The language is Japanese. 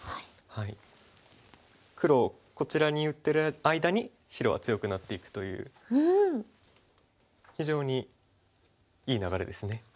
黒をこちらに打ってる間に白は強くなっていくという非常にいい流れですね。